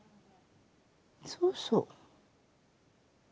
そうそう。